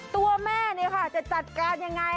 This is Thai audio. ตัวแม่จะจัดการยังไง